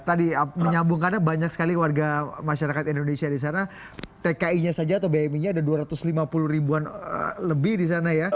tadi menyambungkannya banyak sekali warga masyarakat indonesia di sana tki nya saja atau bmi nya ada dua ratus lima puluh ribuan lebih di sana ya